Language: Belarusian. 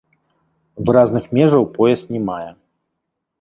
Выразных межаў пояс не мае.